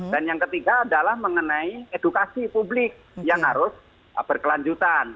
dan yang ketiga adalah mengenai edukasi publik yang harus berkelanjutan